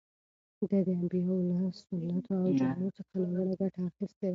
ده د انبیاوو له سنتو او جامو څخه ناوړه ګټه اخیستې ده.